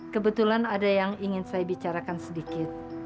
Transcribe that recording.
kebetulan ada yang ingin saya bicarakan sedikit